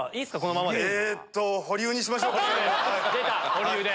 保留で。